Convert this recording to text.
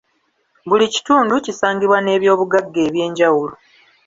Buli kitundu kisangibwa n’ebyobugagga eby’enjawulo.